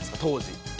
当時。